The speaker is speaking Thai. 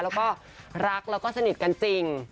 แล้วก็รักแล้วก็สนิทกันจริง